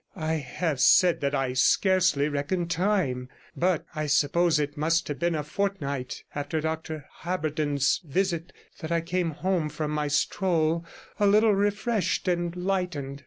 I have said that I scarcely reckoned time; but I suppose it must have been a fortnight after Dr Haberden's visit that I came home from my stroll a little refreshed and lightened.